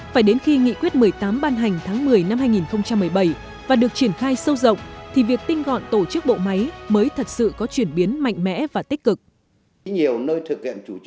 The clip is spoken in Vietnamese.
phải đến khi nghị quyết một mươi tám ban hành tháng một mươi năm hai nghìn một mươi bảy và được triển khai sâu rộng thì việc tinh gọn tổ chức bộ máy mới thật sự có chuyển biến mạnh mẽ và tích cực